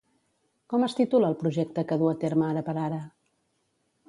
Com es titula el projecte que du a terme ara per ara?